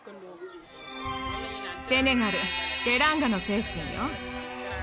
セネガル「テランガ」の精神よ。